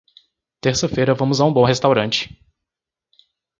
Terça-feira vamos a um bom restaurante.